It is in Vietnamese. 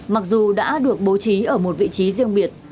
mặc dù đã được bố trí ở một vị trí riêng biệt